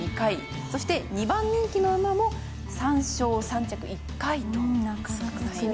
そして２番人気の馬も３勝３着１回と少ないですね。